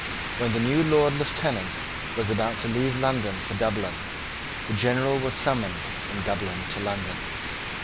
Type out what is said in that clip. When the new Lord Lieutenant was about to leave London for Dublin, the General was summoned from Dublin to London.